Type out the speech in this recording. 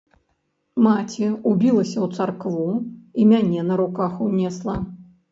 Маці ўбілася ў царкву і мяне на руках унесла.